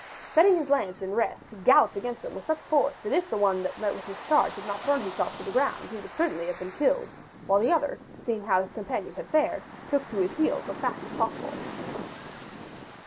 Setting his lance in rest he galloped against them with such force that if the one that met his charge had not thrown himself to the ground he would certainly have been killed, while the other, seeing how his companion had fared, took to his heels as fast as possible.